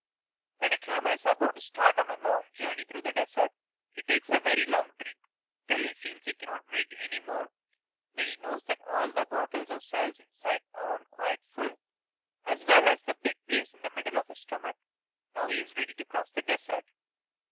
When a camel is about to start on a long journey through the desert, he takes a very long drink, till he feels that he cannot drink any more; then he knows that all the bottles or cells inside are quite full, as well as the big place in the middle of his stomach. Now he is ready to cross the desert.